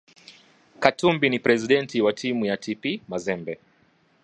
Katumbi ni presidenti wa timu ya TP mazembe